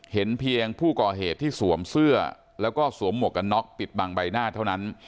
เห็นเพียงผู้ก่อเหตุที่สวมเสื้อแล้วก็สวมหมวกกันน็อกปิดบังใบหน้าเท่านั้น